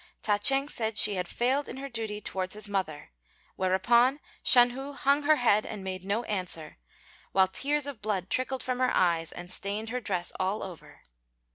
Ta ch'êng said she had failed in her duty towards his mother; whereupon Shan hu hung her head and made no answer, while tears of blood trickled from her eyes and stained her dress all over.